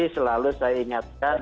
selalu saya ingatkan